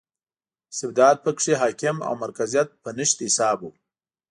استبداد په کې حاکم او مرکزیت په نشت حساب و.